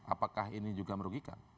apakah ini juga merugikan